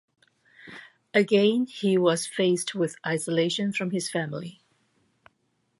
Again he was faced with isolation from his family.